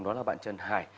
đó là bạn trần hải